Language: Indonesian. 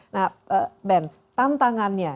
nah ben tantangannya